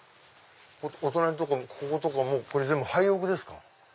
お隣とかこことかもこれ全部廃屋ですか？